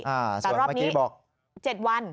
อ้าวส่วนเมื่อกี้บอก๗วัน